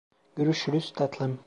Görüşürüz tatlım.